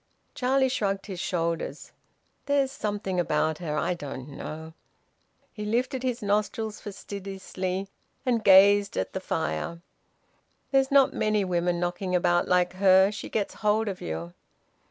Charlie shrugged his shoulders. "There's something about her... I don't know " He lifted his nostrils fastidiously and gazed at the fire. "There's not many women knocking about like her... She gets hold of you.